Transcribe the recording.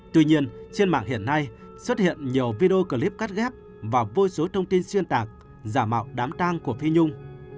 tuy nhiên trên mạng hiện nay xuất hiện nhiều video clip cắt ghép và vô số thông tin xuyên tạc giả mạo đám tang của phi nhung